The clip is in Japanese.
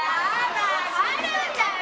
「あるんだよ」